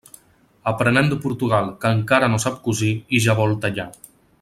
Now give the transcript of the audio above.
Aprenent de Portugal, que encara no sap cosir i ja vol tallar.